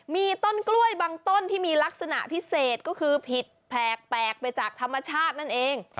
มีลักษณะพิเศษก็คือผิดแปลกไปจากธรรมชาตินั่นเอง